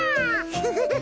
フフフヒ。